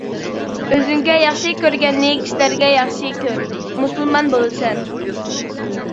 ئۆزۈڭگە ياخشى كۆرگەننى كىشىلەرگە ياخشى كۆر، مۇسۇلمان بولىسەن.